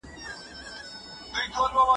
سپورت د جسم او ذهن تقویه کوي.